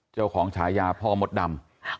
เจ้าของฉายาพ่อมดดำ